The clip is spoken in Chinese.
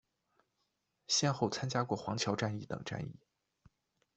先后参加过黄桥战役等战役。